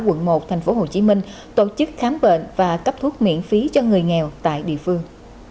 quận một tp hcm tổ chức khám bệnh và cấp thuốc miễn phí cho người nghèo tại địa phương